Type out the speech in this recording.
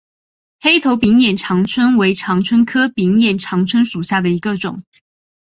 黑头柄眼长蝽为长蝽科柄眼长蝽属下的一个种。